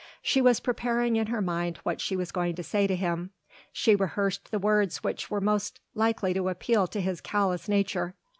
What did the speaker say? She was preparing in her mind what she was going to say to him, she rehearsed the words which were most likely to appeal to his callous nature.